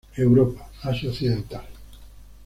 Europa, Asia occidental.